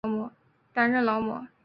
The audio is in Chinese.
担任劳模。